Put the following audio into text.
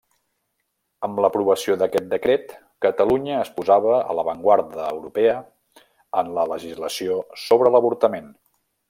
Amb l'aprovació d'aquest decret, Catalunya es posava a l'avantguarda europea en la legislació sobre l'avortament.